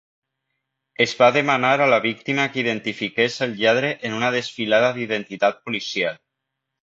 Es va demanar a la víctima que identifiqués el lladre en una desfilada d'identitat policial